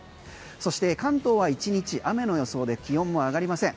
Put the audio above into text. そして関東は１日雨の予想で気温も上がりません